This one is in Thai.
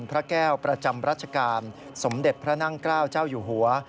พระแก้วประจำรัชกาลสมเด็จพระนั่งเกล้าเจ้าอยู่หัว